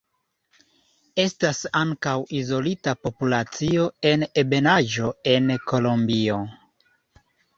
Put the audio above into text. Estas ankaŭ izolita populacio en ebenaĵo en Kolombio.